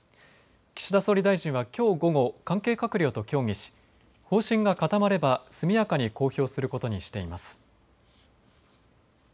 岸田総理大臣はきょう午後、関係閣僚と協議し方針が固まれば速やかに公表することにしています。